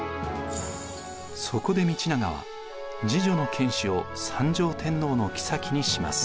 そこで道長は次女の子を三条天皇の后にします。